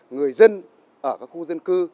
người dân ở các khu dân cư